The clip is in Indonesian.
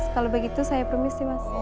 kalo begitu saya permisi mas